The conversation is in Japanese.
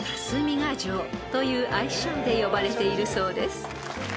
［という愛称で呼ばれているそうです］